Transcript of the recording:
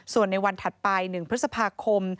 ส่วนในวันถัดไป๑พฤษภาคม